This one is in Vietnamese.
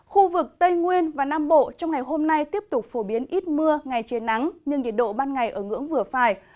khu vực tây nguyên và nam bộ trong ngày hôm nay tiếp tục phổ biến ít mưa ngày trời nắng nhưng nhiệt độ ban ngày ở ngưỡng vừa phải